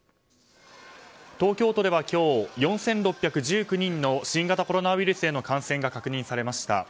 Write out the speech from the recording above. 東京都では今日４６１９人の新型コロナウイルスへの感染が確認されました。